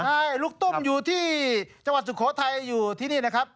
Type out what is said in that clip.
ใช่ลูกตุ้มอยู่ที่จังหวัดสุโขทัยอยู่ที่นี่นะครับ